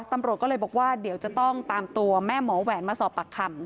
ตำรวจก็เลยบอกว่าเดี๋ยวจะต้องตามตัวแม่หมอแหวนมาสอบปากคำ